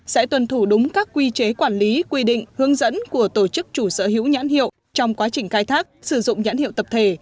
sẽ tuân thủ đúng các quy chế quản lý quy định hướng dẫn của tổ chức chủ sở hữu nhãn hiệu trong quá trình khai thác sử dụng nhãn hiệu tập thể